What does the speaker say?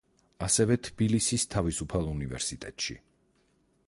ასევე თბილისის თავისუფალ უნივერსიტეტში.